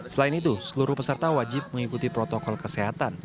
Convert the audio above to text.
selain itu seluruh peserta wajib mengikuti protokol kesehatan